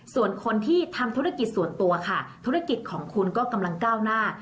ส่วนคนที่ทำธุรกิจส่วนตัวค่ะธุรกิจของคุณก็กำลังก้าวหน้า